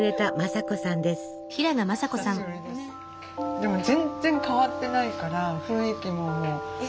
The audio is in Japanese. でも全然変わってないから雰囲気も。